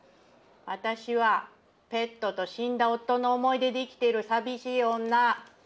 私はペットと死んだ夫の思い出で生きてる寂しい女。